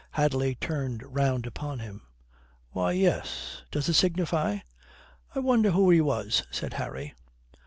Hadley turned round upon him. "Why, yes. Does it signify?" "I wonder who he was," said Harry.